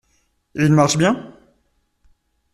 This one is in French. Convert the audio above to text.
Et il marche bien?